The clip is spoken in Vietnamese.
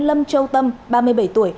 lâm châu tâm ba mươi bảy tuổi